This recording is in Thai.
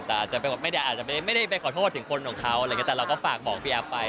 แต่อาจจะไม่ได้ไปขอโทษถึงคนของเขาอะไรอย่างนี้